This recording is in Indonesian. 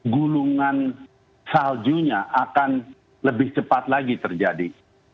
gulungan saljunya akan lebih cepat lagi terjadi